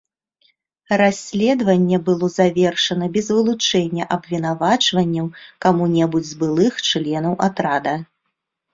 Расследаванне было завершана без вылучэння абвінавачванняў каму-небудзь з былых членаў атрада.